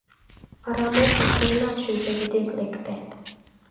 Арам огыл тыйынат шинчавӱдет лекте...